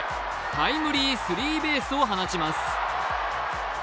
タイムリースリーベースを放ちます。